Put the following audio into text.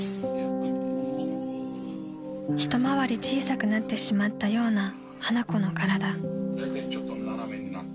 ［一回り小さくなってしまったような花子の体］